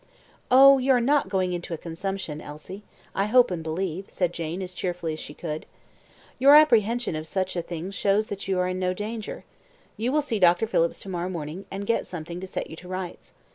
"Oh, you are not going into a consumption, Elsie, I hope and believe," said Jane, as cheerfully as she could. "Your apprehension of such a thing shows that you are in no danger. You will see Dr. Phillips tomorrow morning, and get something to set you to rights.